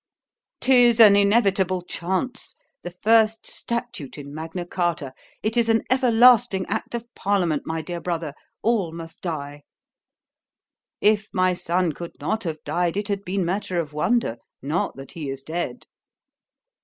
"'Tis an inevitable chance—the first statute in Magna Charta—it is an everlasting act of parliament, my dear brother,—All must die. "If my son could not have died, it had been matter of wonder,—not that he is dead.